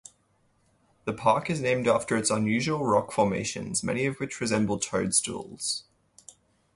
The park is named after its unusual rock formations, many of which resemble toadstools.